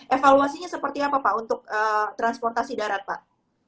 evaluasinya seperti apa pak untuk transportasi darat pak